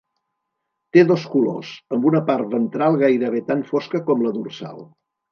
Té dos colors, amb una part ventral gairebé tan fosca com la dorsal.